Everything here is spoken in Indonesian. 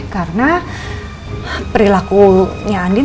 karena perilakunya andin